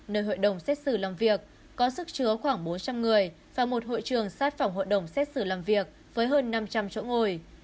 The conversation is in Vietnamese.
nơi hội đồng xét xử làm việc có sức chứa khoảng bốn trăm linh người và một hội trường sát phòng hội đồng xét xử làm việc với hơn năm trăm linh chỗ ngồi